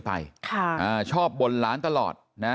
ไปรับศพของเนมมาตั้งบำเพ็ญกุศลที่วัดสิงคูยางอเภอโคกสำโรงนะครับ